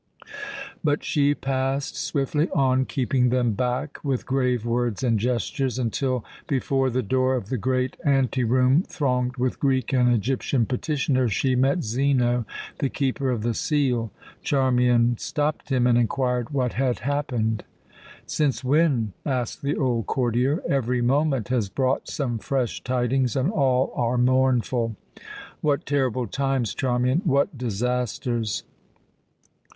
But she passed swiftly on, keeping them back with grave words and gestures, until, before the door of the great anteroom thronged with Greek and Egyptian petitioners, she met Zeno, the Keeper of the Seal. Charmian stopped him and inquired what had happened. "Since when?" asked the old courtier. "Every moment has brought some fresh tidings and all are mournful. What terrible times, Charmian, what disasters!"